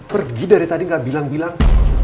pergi dari tadi gak bilang bilang